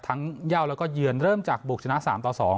เย่าแล้วก็เยือนเริ่มจากบุกชนะ๓ต่อ๒